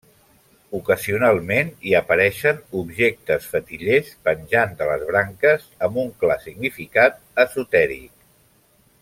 Ocasionalment, hi apareixen objectes fetillers penjant de les branques, amb un clar significat esotèric.